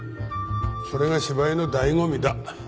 それが芝居の醍醐味だ。